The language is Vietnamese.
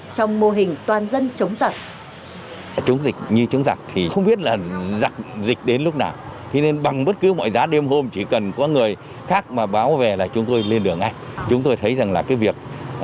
trong mô hình toàn dân chống giặc